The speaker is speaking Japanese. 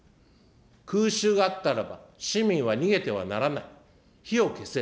空襲があったらば、市民は逃げてはならない、火を消せ。